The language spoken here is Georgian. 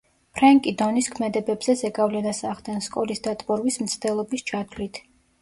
ფრენკი დონის ქმედებებზე ზეგავლენას ახდენს, სკოლის დატბორვის მცდელობის ჩათვლით.